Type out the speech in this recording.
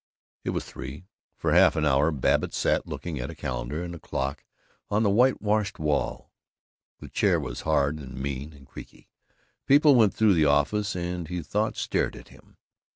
It was three. For half an hour Babbitt sat looking at a calendar and a clock on a whitewashed wall. The chair was hard and mean and creaky. People went through the office and, he thought, stared at him.